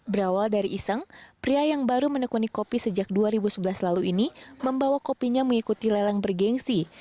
berawal dari iseng pria yang baru menekuni kopi sejak dua ribu sebelas lalu ini membawa kopinya mengikuti lelang bergensi